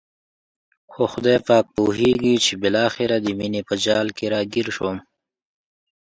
خو خدای پاک پوهېږي چې بالاخره د مینې په جال کې را ګیر شوم.